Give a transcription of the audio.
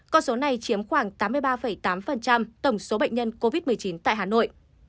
con số này chiếm khoảng tám mươi ba tám tổng số bệnh nhân covid một mươi chín tại hà nội